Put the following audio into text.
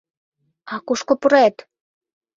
— А кушко пурет?